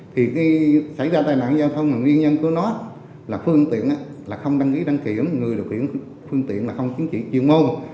thì khi xảy ra tai nạn giao thông nguyên nhân của nó là phương tiện không đăng ký đăng kiểm người điều khiển phương tiện không chính trị triều môn